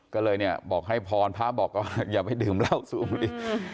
ก็เลยบอกให้พรไปอย่าไปดื่มเหล้าสูงดิ